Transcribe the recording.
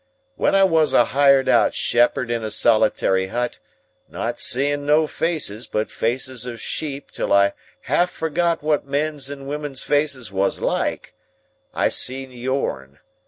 When I was a hired out shepherd in a solitary hut, not seeing no faces but faces of sheep till I half forgot wot men's and women's faces wos like, I see yourn.